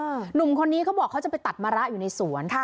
หนุ่มคนนี้เขาบอกเขาจะไปตัดมะระอยู่ในสวนค่ะ